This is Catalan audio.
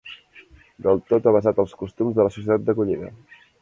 Del tot avesat als costums de la societat d'acollida.